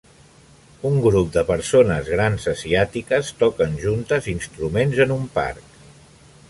Un grup de persones grans asiàtiques toquen juntes instruments en un parc.